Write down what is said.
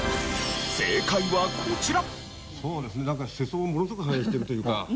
正解はこちら。